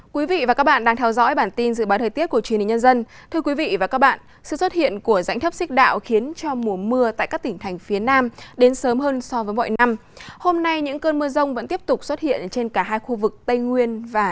các bạn hãy đăng ký kênh để ủng hộ kênh của chúng mình nhé